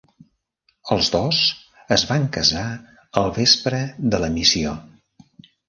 Els dos es van casar el vespre de la missió.